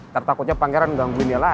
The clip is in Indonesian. tertakutnya pangeran gangguin dia lagi